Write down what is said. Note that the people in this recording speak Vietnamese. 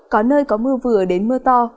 có nơi có mưa vừa đến mưa to